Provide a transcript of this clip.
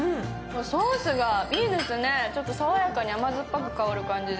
ソースがいいですね、爽やかに甘酸っぱく香る感じで。